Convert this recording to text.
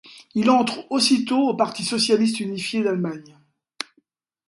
Il entre aussitôt au parti socialiste unifié d'Allemagne.